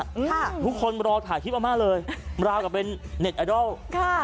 ค่ะทุกคนรอถ่ายคลิปอาม่าเลยราวกับเป็นเน็ตไอดอลค่ะ